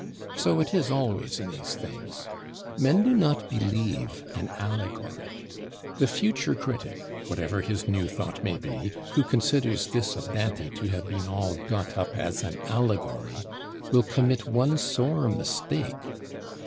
So is it always in these things. Men do not believe an Allegory. The future Critic, whatever his new thought may be, who considers this of Dante to have been all got up as an Allegory, will commit one sore mistake!